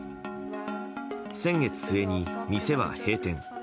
先月末に、店は閉店。